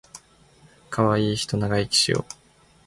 かわいいひと長生きしよ